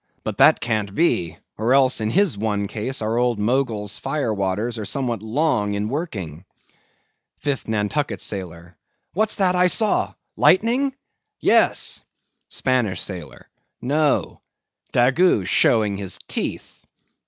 But that can't be, or else in his one case our old Mogul's fire waters are somewhat long in working. 5TH NANTUCKET SAILOR. What's that I saw—lightning? Yes. SPANISH SAILOR. No; Daggoo showing his teeth.